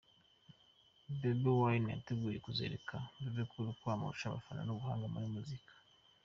Bobbi Wine yiteguye kuzereka Bebe Cool ko amurusha abafana n’ubuhanga muri muzika.